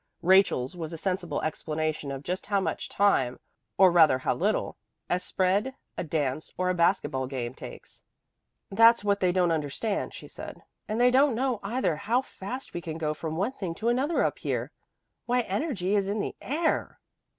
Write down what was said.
Rachel's was a sensible explanation of just how much time, or rather how little, a spread, a dance or a basket ball game takes. "That's what they don't understand," she said, "and they don't know either how fast we can go from one thing to another up here. Why, energy is in the air!"